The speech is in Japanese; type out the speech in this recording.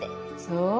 そう。